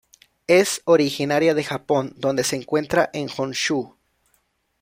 Es originaria de Japón donde se encuentra en Honshu.